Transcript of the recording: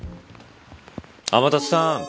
天達さん